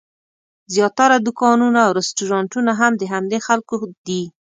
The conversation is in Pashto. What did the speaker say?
زیاتره دوکانونه او رسټورانټونه هم د همدې خلکو دي.